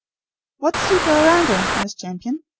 "What did you go round in, Miss Champion?"